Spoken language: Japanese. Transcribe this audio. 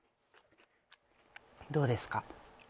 どうですか？